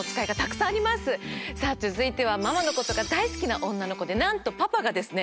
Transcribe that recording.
さぁ続いてはママのことが大好きな女の子でなんとパパがですね